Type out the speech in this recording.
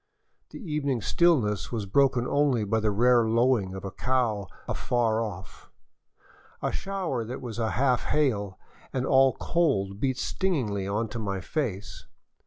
The evening stillness was broken only by the rare lowing of a cow afar off; a shower that was half hail and all cold beat stingingly into my face.